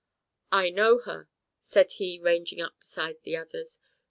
"I know her," said he ranging up beside the others.